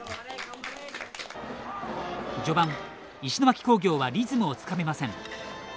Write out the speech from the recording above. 序盤、石巻工業はリズムをつかめません。